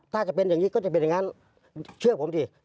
ถ้าจะเป็นอย่างนี้ก็จะเป็นอย่างนั้นเชื่อผมสิ